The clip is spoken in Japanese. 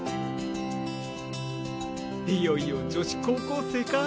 いよいよ女子高校生か。